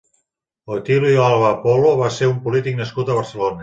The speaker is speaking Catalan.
Otilio Alba Polo va ser un polític nascut a Barcelona.